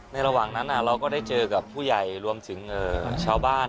ระหว่างนั้นเราก็ได้เจอกับผู้ใหญ่รวมถึงชาวบ้าน